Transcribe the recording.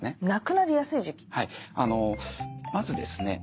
はいまずですね